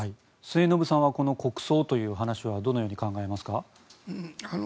末延さんはこの国葬という話はどのように考えますか？